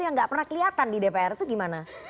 yang gak pernah kelihatan di dpr itu gimana